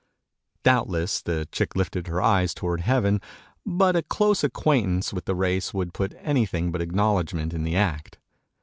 Doubtless the chick lifts her eyes toward heaven, but a close acquaintance with the race would put anything but acknowledgment in the act.